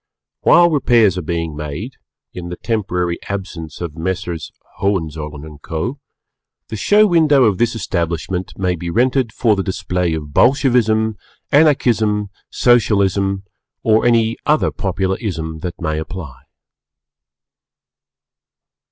] While Repairs are being made, in the temporary absence of Messrs. Hohenzollern & Co., the Show Window of this establishment may be rented for the display of Bolshevism, Anarchism, Socialism, or any other popular Ism that may apply.